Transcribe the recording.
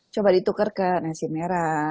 coba ditukar ke nasi merah